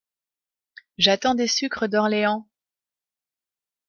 J’attends des sucres d’Orléans !…